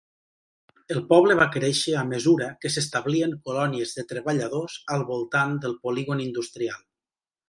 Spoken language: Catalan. El poble va créixer a mesura que s'establien colònies de treballadors al voltant del polígon industrial.